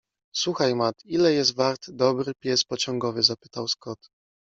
Słuchaj, Matt, ile jest wart dobry pies pociągowy? - zapytał Scott.